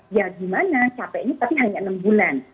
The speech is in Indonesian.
ya gimana capeknya tapi hanya enam bulan